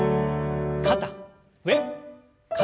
肩上肩下。